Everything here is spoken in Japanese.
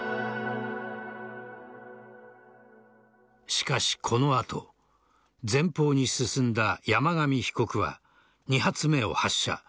しかし、この後前方に進んだ山上被告は２発目を発射。